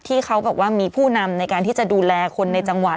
เขาบอกว่ามีผู้นำในการที่จะดูแลคนในจังหวัด